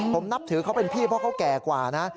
ผมนับถือเขาเป็นพี่เพราะเขาแก่กว่านะ